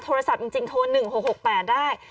โทรศัพท์จริงโทร๑๖๖๘ได้